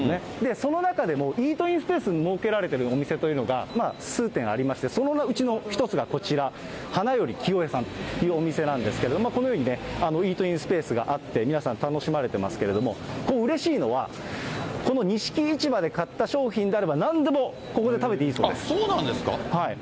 その中でもイートインスペースが設けられているお店というのが、数店ありまして、そのうちの一つがこちら、花よりキヨエさんというお店なんですけれども、このようにね、イートインスペースがあって、皆さん、楽しまれてますけども、うれしいのは、この錦市場で買った商品であれば、なんでもここで食べていいそうです。